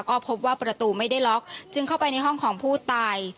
ก็พบว่าประตูไม่ได้ล็อกจึงเข้าไปในห้องของผู้ตาย